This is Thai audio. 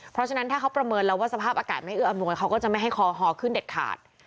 เพราะฉะนั้นถ้าเขาประเมินแล้วว่าสภาพอากาศไม่เอื้ออำนวยเขาก็จะไม่ให้คอฮอขึ้นเด็ดขาด